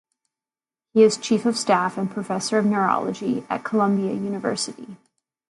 He is Chief of Staff and Professor of Neurology at Columbia University.